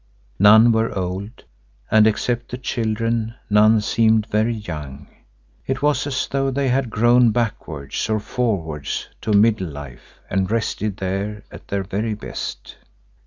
None were old, and except the children, none seemed very young; it was as though they had grown backwards or forwards to middle life and rested there at their very best.